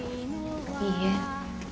いいえ。